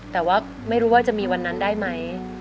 แต่ว่าไม่รู้ว่าจะมีวันนั้นได้ไหม